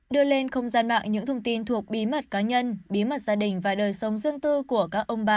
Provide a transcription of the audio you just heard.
đưa lên không gian mạng những thông tin thuộc bí mật cá nhân bí mật gia đình và đời sống riêng tư của các ông bà